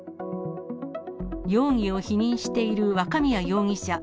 容疑を否認している若宮容疑者。